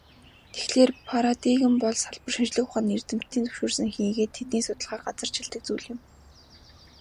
Тэгэхлээр, парадигм бол салбар шинжлэх ухааны эрдэмтдийн зөвшөөрсөн хийгээд тэдний судалгааг газарчилдаг зүйл юм.